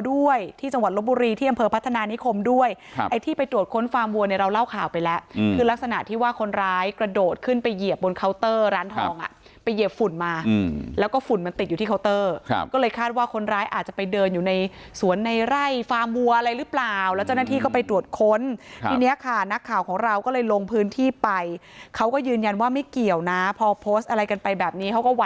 ค้นฟาร์มวัวด้วยที่จังหวัดลบบุรีที่อำเภอพัฒนานิคมด้วยไอ้ที่ไปตรวจค้นฟาร์มวัวในเราเล่าข่าวไปแล้วคือลักษณะที่ว่าคนร้ายกระโดดขึ้นไปเหยียบบนเคาน์เตอร์ร้านทองไปเหยียบฝุ่นมาแล้วก็ฝุ่นมันติดอยู่ที่เคาน์เตอร์ก็เลยคาดว่าคนร้ายอาจจะไปเดินอยู่ในสวนในไร่ฟาร์มวัวอะไรหรือเปล่าแล้ว